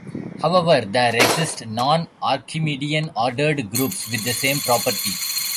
However, there exist non-Archimedean ordered groups with the same property.